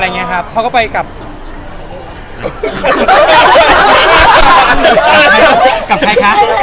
พี่เห็นไอ้เทรดเลิศเราทำไมวะไม่ลืมแล้ว